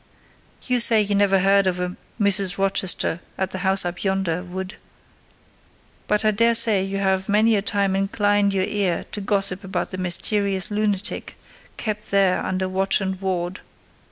You say you never heard of a Mrs. Rochester at the house up yonder, Wood; but I daresay you have many a time inclined your ear to gossip about the mysterious lunatic kept there under watch and ward.